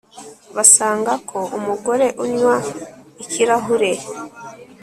Basanga ko umugore unywa ikirahure